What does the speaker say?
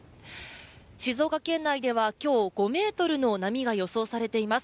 静岡県内では今日５ｍの波が予想されています。